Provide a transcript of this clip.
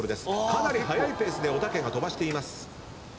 かなり速いペースでおたけが飛ばしています。